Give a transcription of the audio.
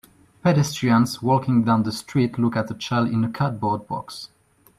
Pedestrians walking down the street look at a child in a cardboard box